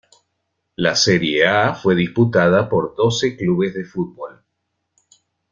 La Serie A fue disputada por doce clubes de fútbol.